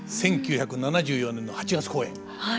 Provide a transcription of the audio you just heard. １９７４年の８月公演。